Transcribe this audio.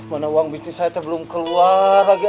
mana uang bisnis saya belum keluar lagi